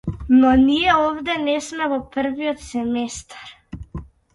Но ние овде не сме во првиот семестар.